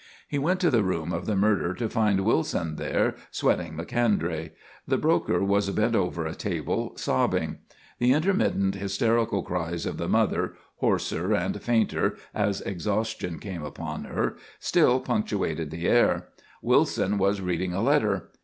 He went to the room of the murder to find Wilson there "sweating" Macondray. The broker was bent over a table, sobbing. The intermittent, hysterical cries of the mother, hoarser and fainter as exhaustion came upon her, still punctuated the air. Wilson was reading a letter.